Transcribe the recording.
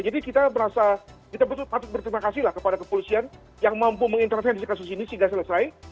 jadi kita berasa kita patut berterima kasih kepada kepolisian yang mampu mengintervensi kasus ini sehingga selesai